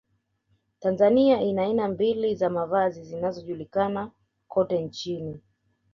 Tanzania ina aina mbili za mavazi zinazojulikana kokote nchini